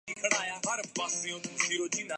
بکری کو چارہ ڈال دو